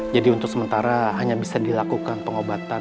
jadi untuk sementara hanya bisa dilakukan pengobatan